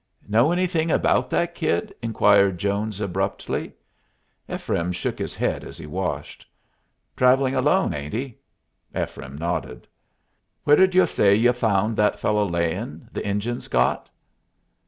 "Know anything about that kid?" inquired Jones, abruptly. Ephraim shook his head as he washed. "Travelling alone, ain't he?" Ephraim nodded. "Where did y'u say y'u found that fellow layin' the Injuns got?"